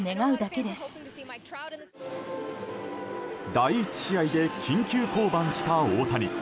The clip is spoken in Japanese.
第１試合で緊急降板した大谷。